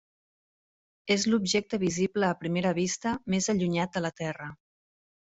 És l'objecte visible a primera vista més allunyat de la Terra.